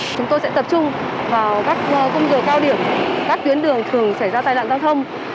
chúng tôi sẽ tập trung vào các công dự cao điểm các tuyến đường thường xảy ra tai lạn giao thông